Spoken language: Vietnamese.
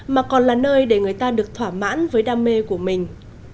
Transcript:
mà còn là nơi để người ta được thỏa mãn với đam mê của mình